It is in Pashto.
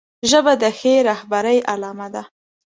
ژبه د ښې رهبرۍ علامه ده